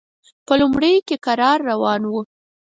په لومړیو کې کرار روان و.